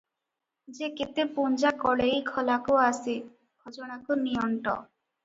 ଯେ କେତେ ପୁଞ୍ଜା କଳେଇ ଖଳାକୁ ଆସେ, ଖଜଣାକୁ ନିଅଣ୍ଟ ।